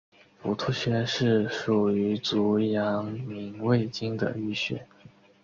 伏兔穴是属于足阳明胃经的腧穴。